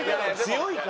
強いから。